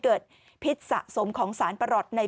กินให้ดูเลยค่ะว่ามันปลอดภัย